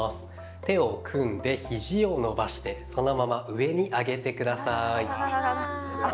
手を組んで、肘を伸ばしてそのまま上に上げてください。